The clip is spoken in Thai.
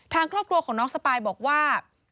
ทางครอบครัวของน้องสปายบอกว่า